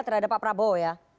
terhadap pak prabowo ya